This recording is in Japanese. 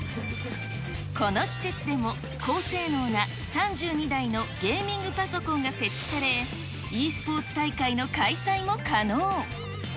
この施設でも、高性能な３２台のゲーミングパソコンが設置され、ｅスポーツ大会の開催も可能。